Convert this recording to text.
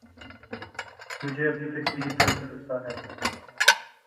مجھے اپنی تقدیر پر بھروسہ ہے